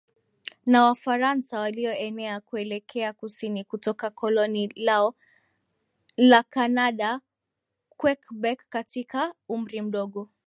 na Wafaransa walioenea kuelekea kusini kutoka koloni lao la Kanada QuebecKatika umri mdogo